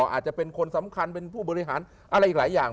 อาจจะเป็นคนสำคัญเป็นผู้บริหารอะไรอีกหลายอย่าง